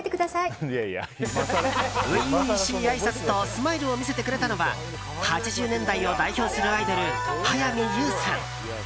初々しいあいさつとスマイルを見せてくれたのは８０年代を代表するアイドル早見優さん。